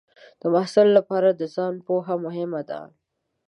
د محصل لپاره د ځان پوهه مهمه ده.